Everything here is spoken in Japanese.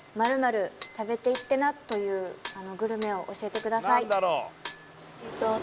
「○○食べていってな！」というグルメを教えてください